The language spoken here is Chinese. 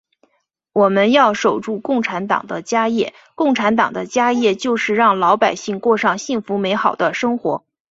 我们要守住共产党的家业，共产党的家业就是让老百姓过上幸福美好的生活。